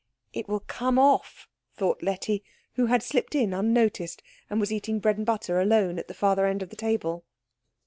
"It will come off," thought Letty, who had slipped in unnoticed, and was eating bread and butter alone at the further end of the table.